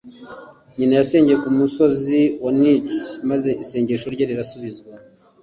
nyina] yasengeye ku musozi wa nich’iu maze isengesho rye rirasubizwa,